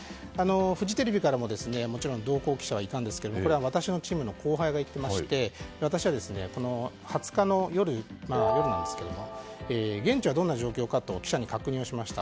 フジテレビからも同行記者はいたんですがこれは私のチームの後輩が行っていまして私は２０日の夜現地はどんな状況かと記者に確認しました。